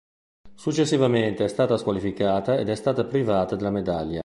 Successivamente è stata squalificata ed è stata privata della medaglia.